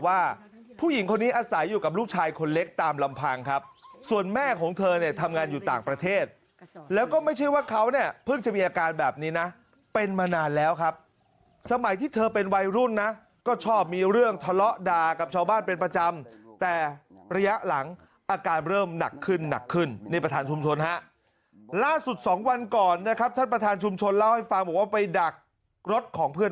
ว่าผู้หญิงคนนี้อาศัยอยู่กับลูกชายคนเล็กตามลำพังครับส่วนแม่ของเธอเนี่ยทำงานอยู่ต่างประเทศแล้วก็ไม่ใช่ว่าเขาเนี่ยเพิ่งจะมีอาการแบบนี้นะเป็นมานานแล้วครับสมัยที่เธอเป็นวัยรุ่นนะก็ชอบมีเรื่องทะเลาะดากับชาวบ้านเป็นประจำแต่ระยะหลังอาการเริ่มหนักขึ้นหนักขึ้นในประธานชุมชนฮะล่าสุดส